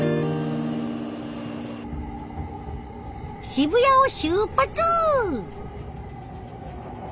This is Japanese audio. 渋谷を出発！